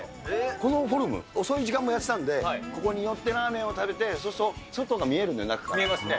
このフォルム、遅い時間もやってたんで、ここに寄ってラーメンを食べて、そうすると、外が見えるんだよ、見えますね。